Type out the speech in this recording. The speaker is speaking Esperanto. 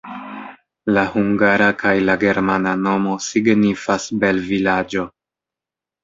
La hungara kaj la germana nomo signifas "bel-vilaĝo".